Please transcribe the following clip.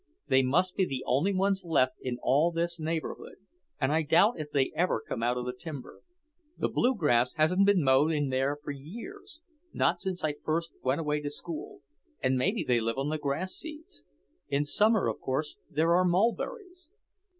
They must be the only ones left in all this neighbourhood, and I doubt if they ever come out of the timber. The bluegrass hasn't been mowed in there for years, not since I first went away to school, and maybe they live on the grass seeds. In summer, of course, there are mulberries."